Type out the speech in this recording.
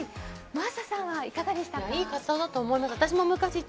真麻さん、いかがでしたか？